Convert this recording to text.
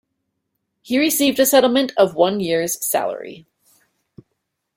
He received a settlement of one year's salary.